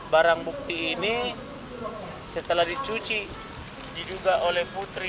barang bukti ini setelah dicuci diduga oleh putri